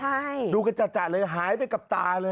ใช่ดูกันจัดเลยหายไปกับตาเลย